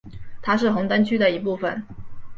它是红灯区的一部分。